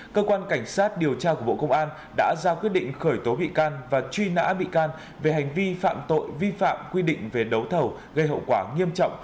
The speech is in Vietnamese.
cơ quan cảnh sát điều tra của bộ công an đã ra quyết định khởi tố bị can và truy nã bị can về hành vi phạm tội vi phạm quy định về đấu thầu gây hậu quả nghiêm trọng